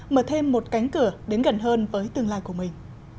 mở thêm một cánh cửa đến gần hơn với tương lai của mình